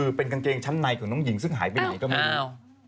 คือเป็นกางเกงชั้นในของน้องหญิงซึ่งหายไปไหนก็ไม่รู้